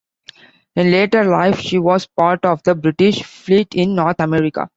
In later life, she was part of the British fleet in North America.